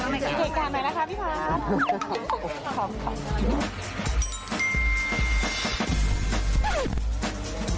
อ๋อเดี๋ยวมีเนื้อมาโอเคเดี๋ยวเก็บข้างในนะคะ